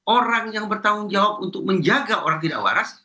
orang yang bertanggung jawab untuk menjaga orang tidak waras